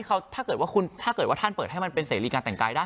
และถ้าเกิดว่าท่านปิดให้มันเป็นเสรีการแต่งกายได้